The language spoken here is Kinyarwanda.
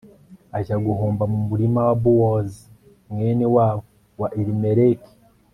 ajya guhumba mu murima wa bowozi mwene wabo wa elimeleki